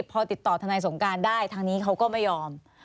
พอติดต่อทนายสงการได้ทางนี้เขาก็ไม่ยอม